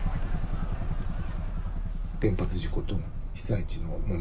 原発事故と被災地の問題。